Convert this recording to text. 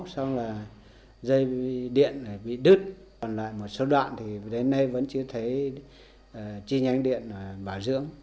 xong là dây điện này bị đứt còn lại một số đoạn thì đến nay vẫn chưa thấy chi nhánh điện bảo dưỡng